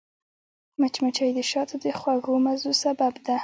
مچمچۍ د شاتو د خوږو مزو سبب ده